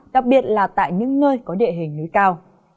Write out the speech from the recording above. đặc biệt là tại những nơi có địa hình núi cao